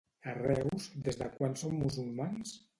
A Reus, des de quan són Musulmans?